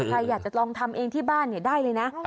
ใครอยากจะลองทำเองที่บ้านได้เลยนะ